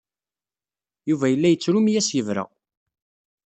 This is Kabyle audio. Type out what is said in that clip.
Yuba yella yettru mi as-yebra.